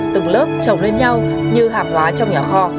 từng lớp trồng lên nhau như hàng hóa trong nhà kho